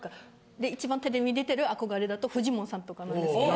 で一番テレビに出てる憧れだとフジモンさんとかなんですけど。